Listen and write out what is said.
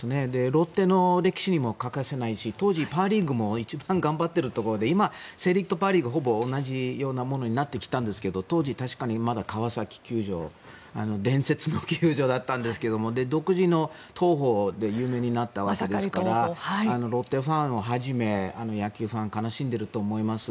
ロッテの歴史にも欠かせないし当時、パ・リーグも一番頑張っているところで今、セ・リーグとパ・リーグはほぼ同じようなものになってきたんですが当時、確かにまだ川崎球場伝説の球場だったんですけど独自の投法で有名になったわけですからロッテファンをはじめ野球ファンは悲しんでいると思います。